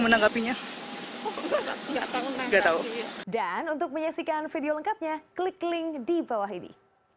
menanggapinya nggak tahu dan untuk menyaksikan video lengkapnya klik link di bawah ini